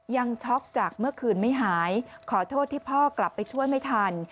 ช็อกจากเมื่อคืนไม่หายขอโทษที่พ่อกลับไปช่วยไม่ทัน